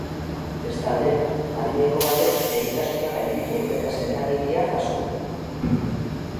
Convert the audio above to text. Bestalde, adineko batek eritasuna gainditu eta sendagiria jaso du.